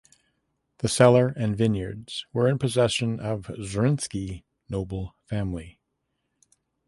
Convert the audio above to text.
The cellar and vineyards were in possession of Zrinski noble family.